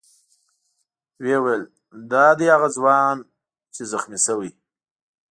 ویې ویل: دا دی هغه ځوان دی چې زخمي شوی.